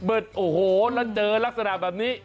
โอ้โหแล้วเจอลักษณะแบบนี้